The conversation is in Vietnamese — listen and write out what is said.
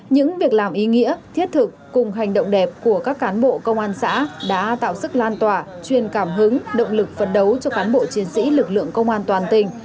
những việc làm ý nghĩa thiết thực cùng hành động đẹp của các cán bộ công an xã đã tạo sức lan tỏa chuyên cảm hứng động lực phấn đấu cho cán bộ chiến sĩ lực lượng công an toàn tình